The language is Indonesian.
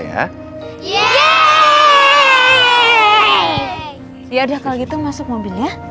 iya udah kalau gitu masuk mobilnya